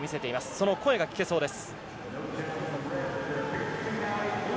その声が聞けそうです。